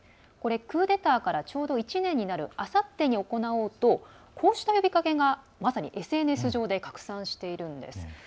これ、クーデターからちょうど１年になるあさってに行おうとこうした呼びかけがまさにＳＮＳ上で拡散しているんです。